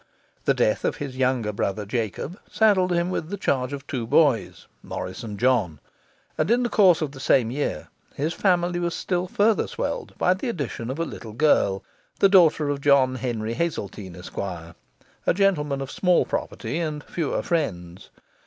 The death of his younger brother Jacob saddled him with the charge of two boys, Morris and John; and in the course of the same year his family was still further swelled by the addition of a little girl, the daughter of John Henry Hazeltine, Esq., a gentleman of small property and fewer friends.